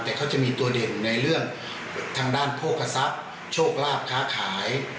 แต่เขาจะมีตัวเด่นในเรื่องทางด้านโภคทรัพย์โชคลาภค้าขาย